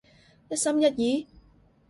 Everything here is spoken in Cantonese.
一心一意？